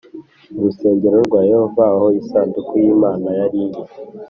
Mu rusengero rwa Yehova aho isanduku y’ Imana yari iri